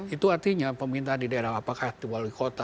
itu artinya peminta di daerah apakah di wali kota